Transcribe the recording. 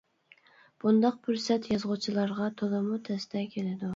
بۇنداق پۇرسەت يازغۇچىلارغا تولىمۇ تەستە كېلىدۇ.